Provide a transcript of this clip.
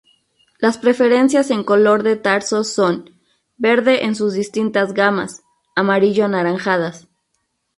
Las preferencias en color de tarsos son: verde en sus distintas gamas, amarillo-anaranjadas.